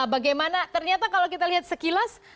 bagaimana ternyata kalau kita lihat sekilas